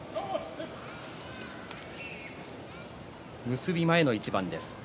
結び前の一番です。